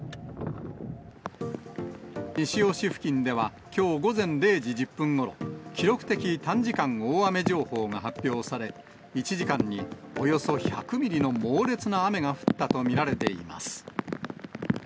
西尾市付近ではきょう午前０時１０分ごろ、記録的短時間大雨情報が発表され、１時間におよそ１００ミリの猛烈な雨が降ったと見られています。